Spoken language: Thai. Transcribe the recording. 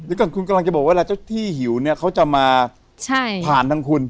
เดี๋ยวก่อนคุณกำลังจะบอกว่าเวลาเจ้าที่หิวเนี่ยเขาจะมาผ่านทางคุณ